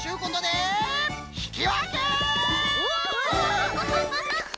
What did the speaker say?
アハハハ！